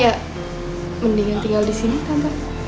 ya mendingan tinggal disini tante